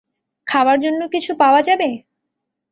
খাওয়ার জন্য কিছু পাওয়া যাবে?